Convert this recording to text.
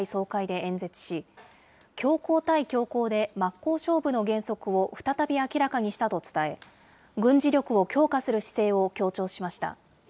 真っ向勝負の原則を再び明らかにしたと伝え、軍事力を強化する姿勢を強調しました。